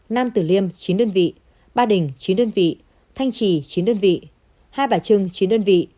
nam tử liêm chín đơn vị ba đình chín đơn vị thanh trì chín đơn vị hai bà trưng chín đơn vị